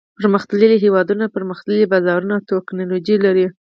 پرمختللي هېوادونه پرمختللي بازارونه او تکنالوجي لري.